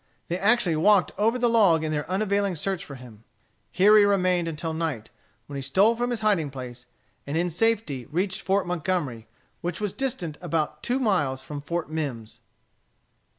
They actually walked over the log in their unavailing search for him. Here he remained until night, when he stole from his hiding place, and in safety reached Fort Montgomery, which was distant about two miles from Fort Mimms.